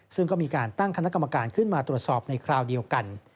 ซึ่งก็มีการตั้งคณะกรรมการขึ้นมาตรวจสอบในคราวเดียวกัน